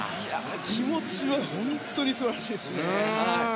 気持ちが本当に素晴らしいですね。